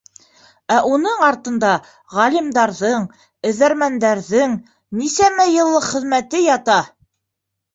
Ә уның артында ғалимдарҙың, эҙәрмәндәрҙең нисәмә йыллыҡ хеҙмәте ята!